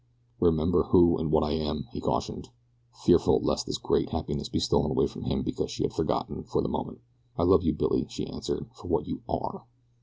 "Remember who and what I am," he cautioned, fearful lest this great happiness be stolen away from him because she had forgotten for the moment. "I love you Billy," she answered, "for what you ARE."